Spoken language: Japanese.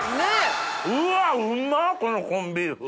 うわうまっこのコンビーフ。